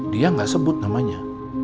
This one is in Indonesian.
dia nggak sebut namanya